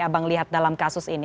abang lihat dalam kasus ini